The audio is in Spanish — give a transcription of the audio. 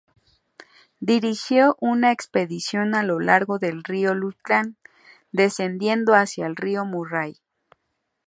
Dirigió una expedición a lo largo del río Lachlan, descendiendo hasta el río Murray.